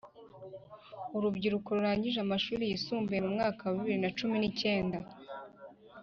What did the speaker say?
urubyiruko rurangije amashuri yisumbuye mu mwaka wa bibiri na cumi nicyenda